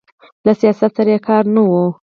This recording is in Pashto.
له سیاست سره یې کار نه و.